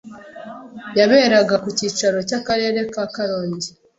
yaberaga ku cyicaro cy’akarere ka Karongi